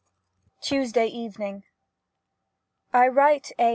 ] Tuesday Evening. I write A.